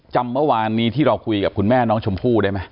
จำเมื่อวานนี้ที่เราคุยกับคุณแม่น้องชมพู่ได้ไหม